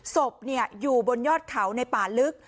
ศพอยู่บนยอดเขาในป่าลึก